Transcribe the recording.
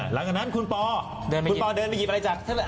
หลังจากนั้นคุณปอคุณปอเดินไปหยิบอะไรจาก